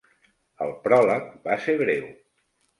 El pròleg va ser breu.